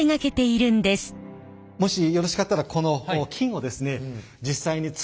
もしよろしかったらはい。